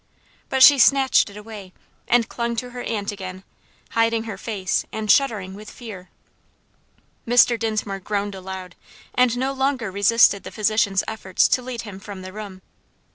But she snatched it away, and clung to her aunt again, hiding her face, and shuddering with fear. Mr. Dinsmore groaned aloud, and no longer resisted the physician's efforts to lead him from the room.